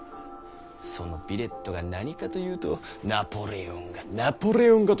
そのヴィレットが何かと言うと「ナポレオンがナポレオンが」と威張りくさる。